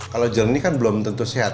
kalau jernih kan belum tentu sehat